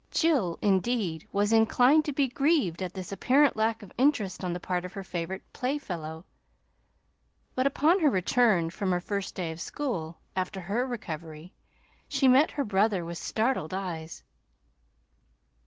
Jill, indeed, was inclined to be grieved at this apparent lack of interest on the part of her favorite playfellow; but upon her return from her first day of school, after her recovery, she met her brother with startled eyes.